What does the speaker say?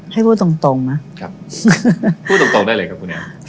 ให้พูดตรงตรงนะครับพูดตรงได้เลยครับคุณแอม